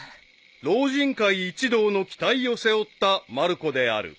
［老人会一同の期待を背負ったまる子である］